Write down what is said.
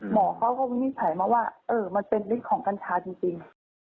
หมอเค้าก็มิ้นไผลมาว่าเออมันเป็นฤทธิ์ของกัญชาจริง